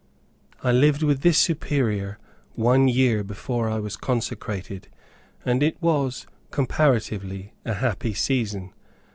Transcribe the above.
I lived with this Superior one year before I was consecrated, and it was, comparatively, a happy season.